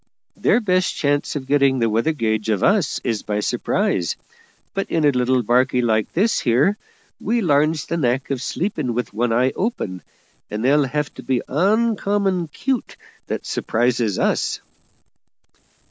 Their best chance of getting the weather gauge of us is by surprise; but in a little barkie like this here we larns the knack of sleeping with one eye open, and they'll have to be oncommon 'cute that surprises us."